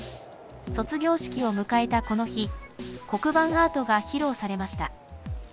卒業式を迎えたこの日、黒板アートが披露されました。